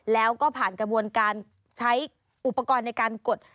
แล้วก็ผ่านกระบวนการใช้อุปกรณ์ในการกด